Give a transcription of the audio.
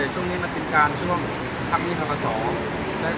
ช่วงนี้มาจัดการช่วงคราบนี้เท่าค่ะ